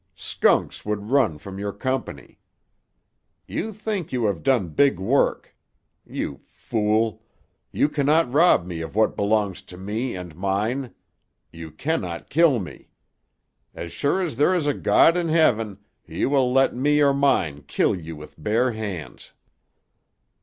Skunks would run from your company. You think you have done big work. You fool! You cannot rob me of what belongs to me and mine; you cannot kill me. As sure as there is a God in Heaven, He will let me or mine kill you with bare hands."